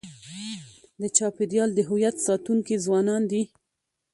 د چاپېریال د هویت ساتونکي ځوانان دي.